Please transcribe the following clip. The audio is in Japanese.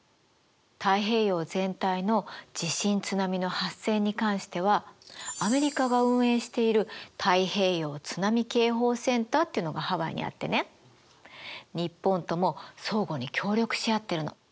太平洋全体の地震津波の発生に関してはアメリカが運営している太平洋津波警報センターっていうのがハワイにあってね日本とも相互に協力し合ってるの。